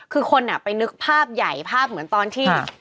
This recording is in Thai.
คือคนไปนึกภาพใหญ่ภาพเหมือนตอนที่